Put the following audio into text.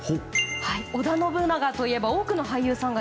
織田信長といえば多くの俳優さんが